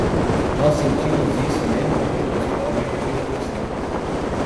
Nós sentimos isso menos na boca dos pobres do que na dos ricos.